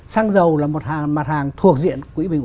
xăng dầu là một mặt hàng thuộc diện